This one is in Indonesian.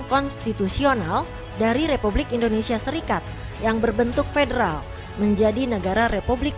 konstitusional dari republik indonesia serikat yang berbentuk federal menjadi negara republik